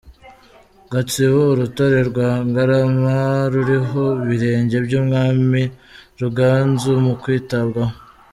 Gatsibo Urutare rwa Ngarama ruriho ibirenge by’umwami Ruganzu mu kwitabwaho